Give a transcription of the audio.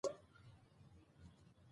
لمریزه برېښنا دوام لري.